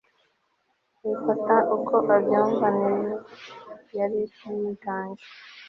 abifata uko abyumva ni yo yari yiganje